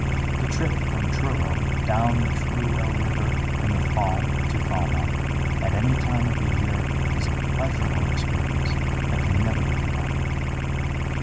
The trip from Truro down the Truro river and the Fal to Falmouth at any time of the year is a pleasurable experience that can never be forgotten.